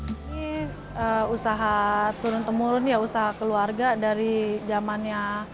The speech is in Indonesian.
ini usaha turun temurun ya usaha keluarga dari zamannya